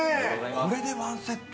これでワンセット？